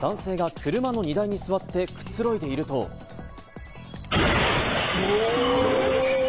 タイの町中で男性が車の荷台に座ってくつろいでいると。